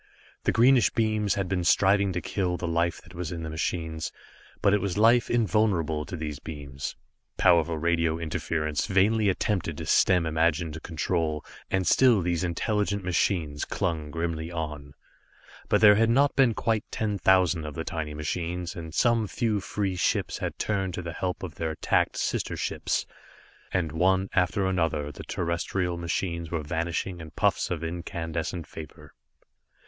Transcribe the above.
The greenish beams had been striving to kill the life that was in the machines, but it was life invulnerable to these beams. Powerful radio interference vainly attempted to stem imagined control, and still these intelligent machines clung grimly on. But there had not been quite ten thousand of the tiny machines, and some few free ships had turned to the help of their attacked sister ships. And one after another the terrestrial machines were vanishing in puffs of incandescent vapor.